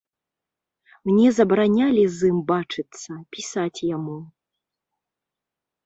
Мне забаранялі з ім бачыцца, пісаць яму.